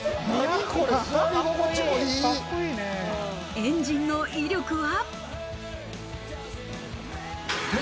エンジンの威力は。